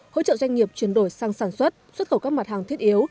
hỗ trợ doanh nghiệp chuyển đổi sang sản xuất xuất khẩu các mặt hàng thiết yếu